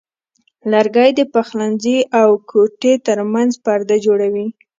لرګی د پخلنځي او کوټې ترمنځ پرده جوړوي.